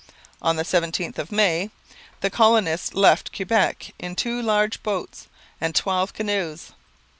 On the 17th of May the colonists left Quebec in two large boats and twelve canoes.